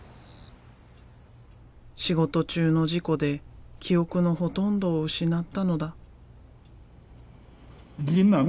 仕事中の事故で記憶のほとんどを失ったのだ。